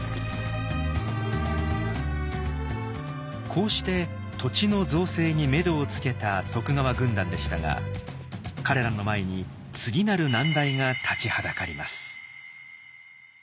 こうして土地の造成にめどをつけた徳川軍団でしたが彼らの前に次なる難題が立ちはだかります。